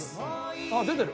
あっ出てる。